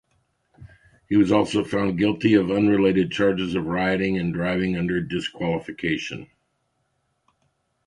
He was also found guilty of unrelated charges of rioting and driving under disqualification.